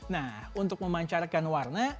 nah untuk memancarkan layar lcd